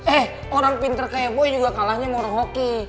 eh orang pinter kayak gue juga kalahnya sama orang hoki